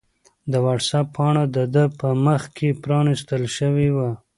د وټس-اپ پاڼه د ده په مخ کې پرانستل شوې وه.